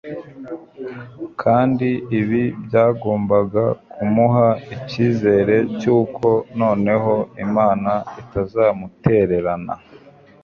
kandi ibi byagombaga kumuha icyizere cyuko noneho Imana itazamutererana